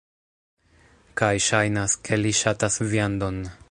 Kaj ŝajnas, ke li ŝatas viandon.